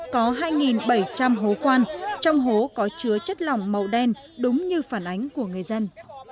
có hai bảy trăm linh hố khoan trong hố có chứa chất lỏng màu đen đúng như phản ánh của người dân